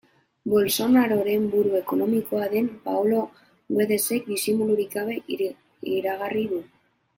Bolsonaroren buru ekonomikoa den Paolo Guedesek disimulurik gabe iragarri du.